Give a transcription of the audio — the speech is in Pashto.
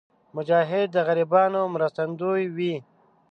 مجاهد د غریبانو مرستندوی وي.